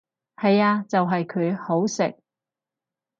係呀就係佢，好食！